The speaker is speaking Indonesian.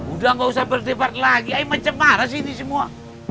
udah nggak usah berdebat lagi eh macem mana sih ini semua